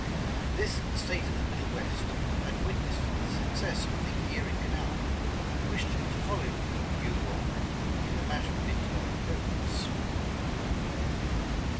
This State of the middle west, had witnessed the success of the Erie Canal, and wished to follow New York in the matter of internal improvements.